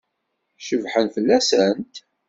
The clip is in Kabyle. Cebḥen fell-asent?